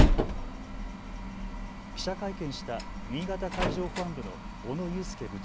記者会見した新潟海上保安部の小野雄介部長。